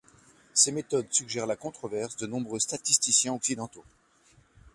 Ses méthodes suggèrent la controverse de nombreux statisticiens occidentaux.